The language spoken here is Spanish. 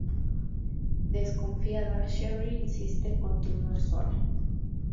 Desconfiada, Sherry insiste en continuar sola.